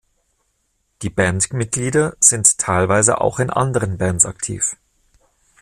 Die Bandmitglieder sind teilweise auch in anderen Bands aktiv.